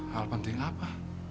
hal penting apa